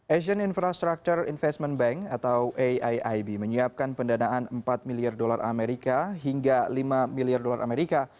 asian infrastructure investment bank atau aiib menyiapkan pendanaan empat miliar dolar amerika hingga lima miliar dolar amerika